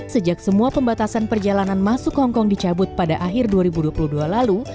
sejak semua pembatasan perjalanan masuk hongkong dicabut pada akhir dua ribu dua puluh dua lalu